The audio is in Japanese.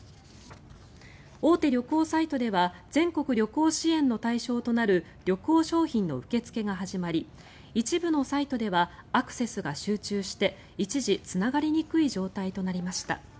大手旅行サイトでは全国旅行支援の対象となる旅行商品の受け付けが始まり一部のサイトではアクセスが集中して一時、つながりにくい状態となりました。